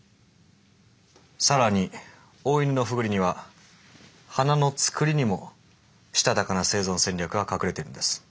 更にオオイヌノフグリには花の作りにもしたたかな生存戦略が隠れてるんです。